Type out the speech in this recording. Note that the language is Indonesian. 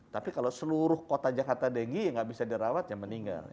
tapi kalau seluruh kota jakarta deggie ya nggak bisa dirawat ya meninggal